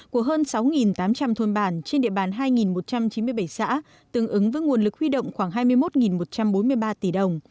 của hơn sáu tám trăm linh thôn bản trên địa bàn hai một trăm chín mươi bảy xã tương ứng với nguồn lực huy động khoảng hai mươi một một trăm bốn mươi ba tỷ đồng